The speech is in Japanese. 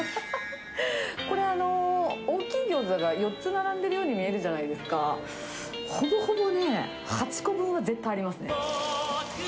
これ、大きいギョーザが４つ並んでいるように見えるじゃないですか、ほぼほぼね、８個分は絶対ありますね。